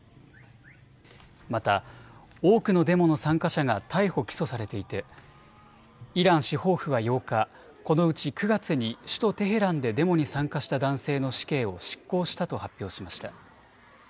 また、多くのデモの参加者が逮捕・起訴されていてイラン司法府は８日、このうち９月に首都テヘランでデモに参加した男性の死刑を執行したと発表しました。